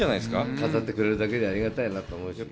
飾ってくれるだけでありがたいなと思う。